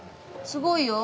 すごいよ。